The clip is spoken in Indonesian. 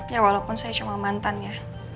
ya walaupun saya cuma mantan ya